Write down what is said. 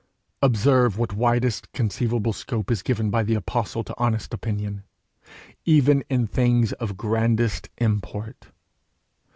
Observe what widest conceivable scope is given by the apostle to honest opinion, even in things of grandest import!